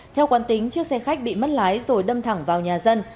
theo quán tính chiếc xe khách bị mất lái rồi đâm thẳng vào nhà dân